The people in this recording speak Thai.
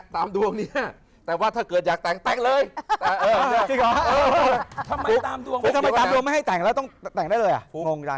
ทำไมตามดวงไม่ให้แต่งแล้วต้องแต่งได้เลย